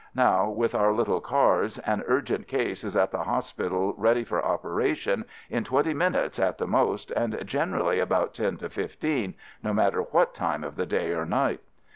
Now, with our little cars, an urgent case is at the hospital ready for operation in twenty minutes at the most and generally about ten to fifteen — no matter what time of the day or night.